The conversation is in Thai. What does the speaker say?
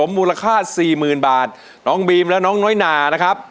มีบ้างครับ